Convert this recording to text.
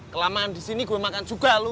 kelamaan di sini gue makan juga lho